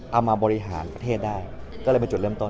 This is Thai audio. บริหารประเทศได้ก็เลยเป็นจุดเริ่มต้น